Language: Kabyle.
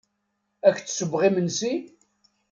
Ad ak-d-ssewweɣ imensi?